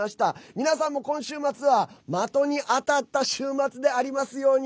皆さんも今週末は的に当たった週末でありますように。